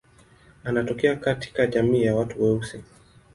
Anatokea katika jamii ya watu weusi.